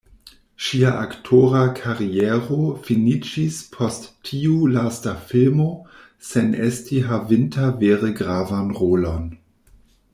Ŝia aktora kariero finiĝis post tiu lasta filmo sen esti havinta vere gravan rolon.